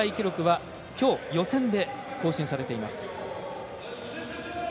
ただ、その世界記録はきょう、予選で更新されています。